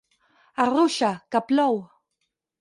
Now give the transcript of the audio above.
Arruixa, que plou!